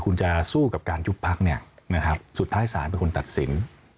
คุณจะสู้กับการยุบภักดิ์สุดท้ายศาลเป็นคนตัดสิน